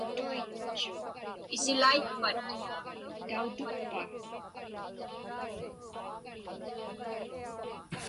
Isilaitpat?